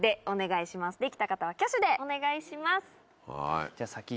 お願いします。